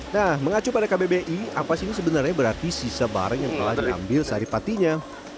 nah mengacu pada kbbi ampas ini sebenarnya berarti sisa barang yang telah diambil sari patinya